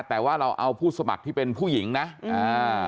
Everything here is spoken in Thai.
แต่ว่าเราเอาผู้สมัครที่เป็นผู้หญิงนะอ่า